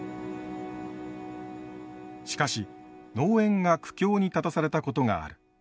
しかし農園が苦境に立たされたことがある。